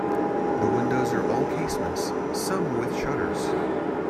The windows are all casements, some with shutters.